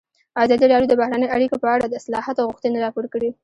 ازادي راډیو د بهرنۍ اړیکې په اړه د اصلاحاتو غوښتنې راپور کړې.